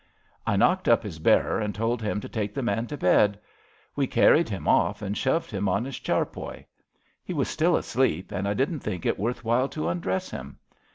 I knocked up his bearer and told him to take the man to bed. We carried him off and shoved him on his charpoy. He was still asleep, and I didn't think it worth while to undress him.